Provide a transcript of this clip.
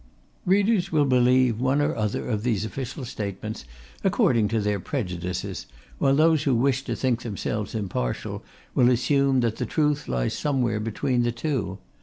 Readers will believe one or other of these official statements according to their prejudices, while those who wish to think themselves impartial will assume that the truth lies somewhere between the two.